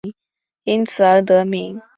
因此而得名。